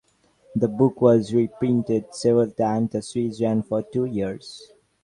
The book was re-printed several times. The series ran for two years.